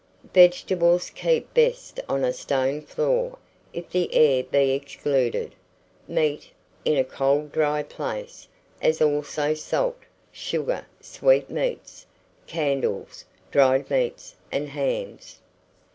Vegetables keep best on a stone floor, if the air be excluded; meat, in a cold dry place; as also salt, sugar, sweet meats, candles, dried meats, and hams.